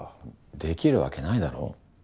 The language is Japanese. できるわけないだろ。